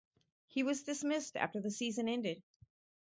He was dismissed after the season ended.